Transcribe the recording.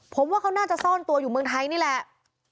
ผมว่าเขาน่าจะซ่อนตัวอยู่เมืองไทยนี่แหละ